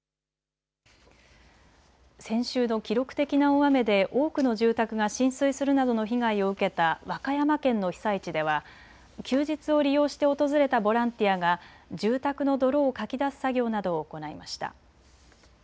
先週の記録的な大雨で多くの住宅が浸水するなどの被害を受けた和歌山県の被災地では休日を利用して訪れたボランティアが住宅の泥をかき出す作業などを行いました。